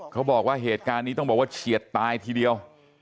เขาบอกว่าเหตุการณ์นี้ต้องบอกว่าเฉียดตายทีเดียว